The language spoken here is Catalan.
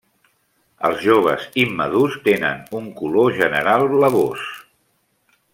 Els joves immadurs tenen un color general blavós.